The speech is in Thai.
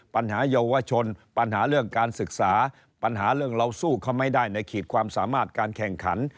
ปัญหาเยาวชนปัญหาเรื่องการศึกษาปัญหาเรื่องเราสู้เขาไม่ได้ในขีดความสามารถการแข่งขัน